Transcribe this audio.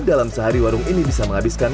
dalam sehari warung ini bisa menghabiskan